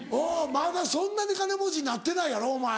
まだそんなに金持ちになってないやろお前。